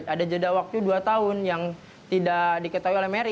ada jeda waktu dua tahun yang tidak diketahui oleh mary